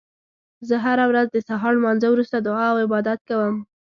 زه هره ورځ د سهار لمانځه وروسته دعا او عبادت کوم